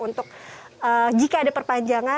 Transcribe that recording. untuk jika ada perpanjangan